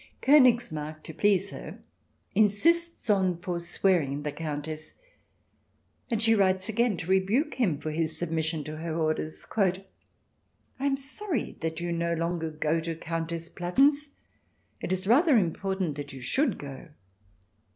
K5nigsmarck, to please her, insists on forswearing the Countess, and she writes again to rebuke him for his submission to her orders :" I am sorry that you no longer go to Countess Platen's ; it is rather important that you should go."